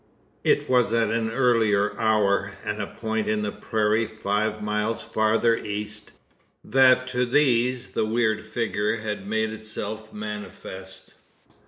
It was at an earlier hour, and a point in the prairie five miles farther east, that to these the weird figure had made itself manifest.